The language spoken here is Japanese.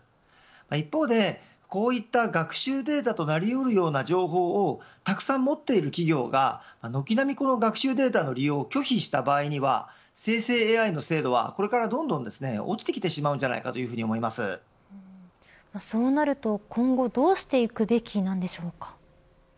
一方でこういった学習データとなり得るような情報をたくさん持っている企業が軒並み学習データの利用を拒否した場合には生成ＡＩの精度はこれからどんどんそうなると今後どうしていくべきなんでしょうか。